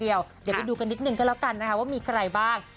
เดี๋ยวไปดูกันนิดนึงก็แล้วกันนะคะว่ามีใครบ้าง